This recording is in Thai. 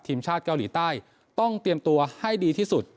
ชาติเกาหลีใต้ต้องเตรียมตัวให้ดีที่สุด